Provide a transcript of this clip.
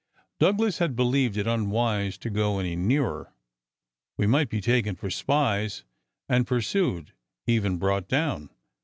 Douglas had believed it unwise to go any nearer. We might be taken for spies, and pursued—even brought down.